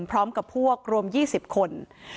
พร้อมกับพวกรวม๒๐คน